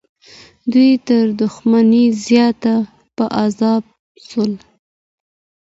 دوی تر دښمن زیات په عذاب سول.